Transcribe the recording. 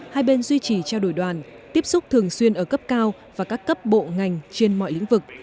hai bên duy trì trao đổi đoàn tiếp xúc thường xuyên ở cấp cao và các cấp bộ ngành trên mọi lĩnh vực